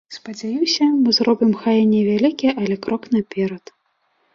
Спадзяюся, мы зробім, хай і невялікі, але крок наперад.